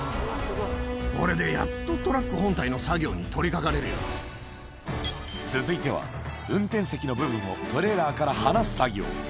これでやっとトラック本体の続いては、運転席の部分をトレーラーから離す作業。